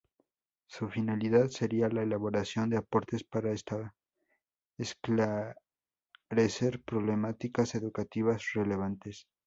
Su finalidad sería la elaboración de aportes para esclarecer problemáticas educativas relevantes.